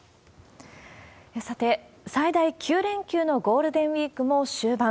さて、最大９連休のゴールデンウィークも終盤。